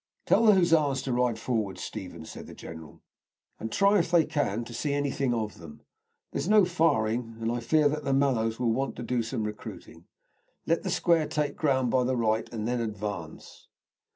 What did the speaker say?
"Tell the Hussars to ride forward, Stephen," said the general, "and try if they can see anything of them. There's no firing, and I fear that the Mallows will want to do some recruiting. Let the square take ground by the right, and then advance!"